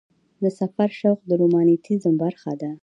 د سفر شوق د رومانتیزم برخه ده.